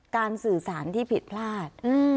สื่อสารที่ผิดพลาด